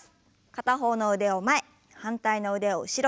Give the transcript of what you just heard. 片方の腕を前反対の腕を後ろに。